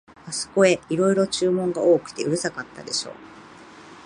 あすこへ、いろいろ注文が多くてうるさかったでしょう、